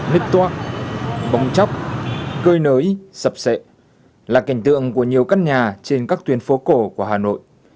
nét toạc bóng chóc cơi nới sập sệ là cảnh tượng của nhiều căn nhà trên các tuyến phố cổ của hà nội